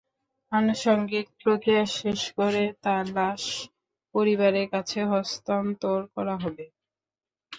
আনুষঙ্গিক প্রক্রিয়া শেষ করে তাঁর লাশ পরিবারের কাছে হস্তান্তর করা হবে।